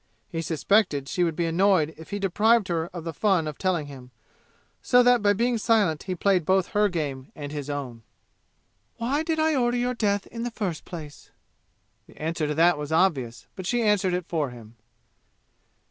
He suspected she would be annoyed if he deprived her of the fun of telling him, so that by being silent he played both her game and his own. "Why did I order your death in the first place?" The answer to that was obvious, but she answered it for him.